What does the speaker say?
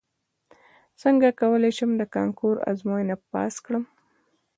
څنګه کولی شم د کانکور ازموینه پاس کړم